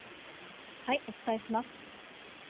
お伝えします。